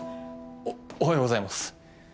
おおはようございます。